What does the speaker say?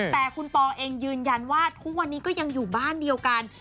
แต่คุณปอเองยืนยันว่าทุกวันนี้ก็ยังอยู่บ้านเดียวกัน